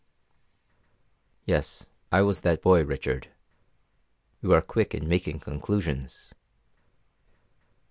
"Yes, I was that boy, Richard you are quick in making conclusions."